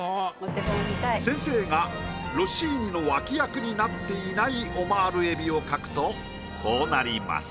先生がロッシーニの脇役になっていないオマール海老を描くとこうなります。